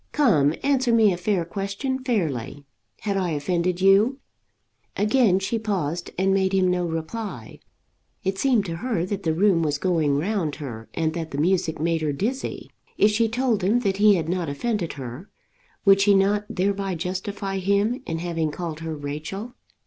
Come; answer me a fair question fairly. Had I offended you?" Again she paused and made him no reply. It seemed to her that the room was going round her, and that the music made her dizzy. If she told him that he had not offended her would she not thereby justify him in having called her Rachel?